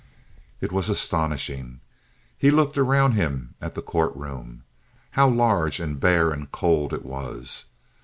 It was astonishing. He looked around him at the court room. How large and bare and cold it was!